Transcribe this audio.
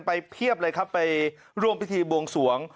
เพียบเลยครับไปร่วมพิธีบวงสวง